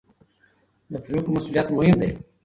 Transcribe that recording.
د پرېکړو مسوولیت مهم دی